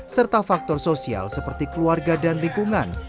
serta faktor sosial seperti keluarga dan lingkungan